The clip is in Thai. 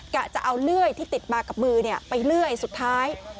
จะเอาเลื่อยที่ติดมากับมือไปเลื่อยสุดท้าย